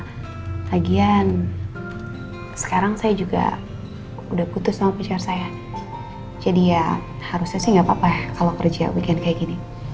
lagian sekarang saya juga udah putus sama pacar saya jadi ya harusnya sih gapapa kalau kerja weekend kayak gini